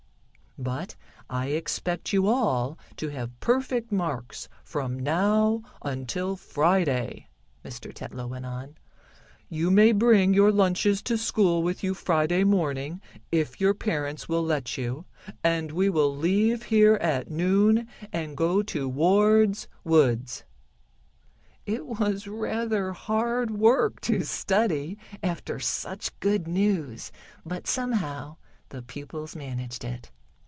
"But I expect you all to have perfect marks from now until Friday," Mr. Tetlow went on. "You may bring your lunches to school with you Friday morning, if your parents will let you, and we will leave here at noon, and go to Ward's woods." It was rather hard work to study after such good news, but, somehow, the pupils managed it.